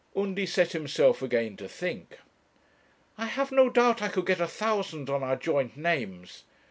Undy set himself again to think. 'I have no doubt I could get a thousand on our joint names.